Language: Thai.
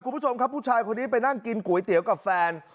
คุณผู้ชมครับผู้ชายคนนี้ไปนั่งกินก๋วยเตี๋ยวกับแฟน